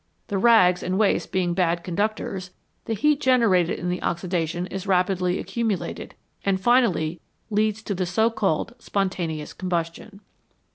The rags and waste being bad conductors, the heat generated in the oxidation is rapidly accumulated, and finally leads to the so called " spontaneous combustion."